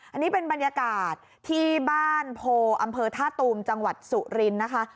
อันนี้เป็นบรรยากาศที่บ้านโพอำเภอท่าตูมจังหวัดสุรินทร์นะคะ